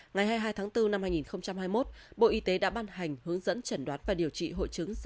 ngày hai mươi hai tháng bốn năm hai nghìn hai mươi một bộ y tế đã ban hành hướng dẫn chẩn đoán và điều trị hội chứng